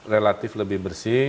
relatif lebih bersih